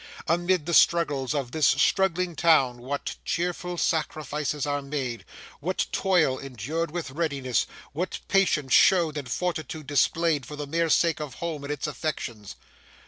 Amid the struggles of this struggling town what cheerful sacrifices are made; what toil endured with readiness; what patience shown and fortitude displayed for the mere sake of home and its affections!